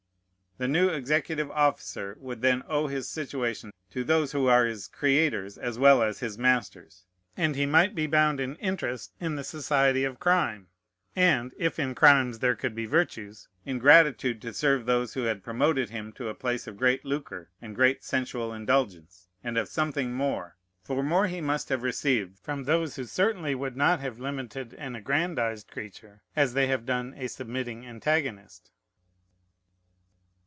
The new executive officer would then owe his situation to those who are his creators as well as his masters; and he might be bound in interest, in the society of crime, and (if in crimes there could be virtues) in gratitude, to serve those who had promoted him to a place of great lucre and great sensual indulgence, and of something more: for more he must have received from those who certainly would not have limited an aggrandized creature as they have done a submitting antagonist.